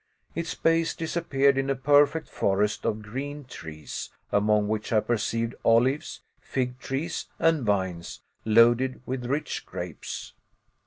Its base disappeared in a perfect forest of green trees, among which I perceived olives, fig trees, and vines loaded with rich grapes.